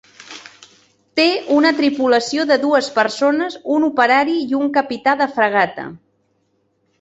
Té una tripulació de dues persones, un operari i un capità de fragata.